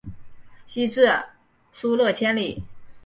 西至疏勒千里。